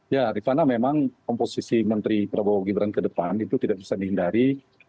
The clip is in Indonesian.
ya di sana memang komposisi menteri prabowo gibrang ke depan itu tidak bisa dihindari